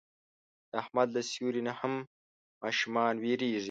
د احمد له سیوري نه هم ماشومان وېرېږي.